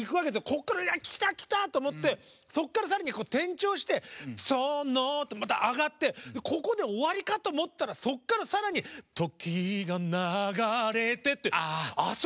こっから来た来た！と思ってそっから更に転調して「その」ってまた上がってここで終わりかと思ったらそっから更に「時が流れて」ってあそこはね